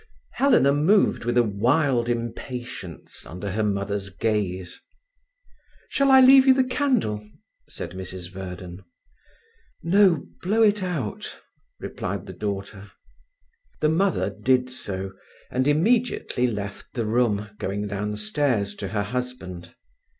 Helena moved with a wild impatience under her mother's gaze. "Shall I leave you the candle?" said Mrs Verden. "No, blow it out," replied the daughter. The mother did so, and immediately left the room, going downstairs to her husband.